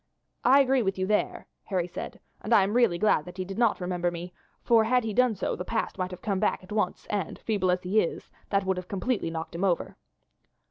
"I agree with you there," Harry said, "and I am really glad that he did not remember me, for had he done so the past might have come back at once and, feeble as he is, that would have completely knocked him over."